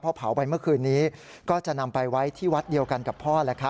พอเผาไปเมื่อคืนนี้ก็จะนำไปไว้ที่วัดเดียวกันกับพ่อ